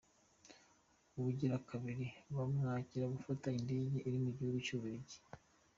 Ubugira kabiri bamwankira gufata indege ari mu gihugu c'ububiligi.